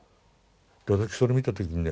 私それ見た時にね